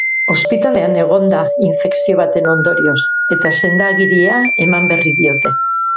Ospitalean egon da, infekzio baten ondorioz, eta senda-agiria eman berri diote.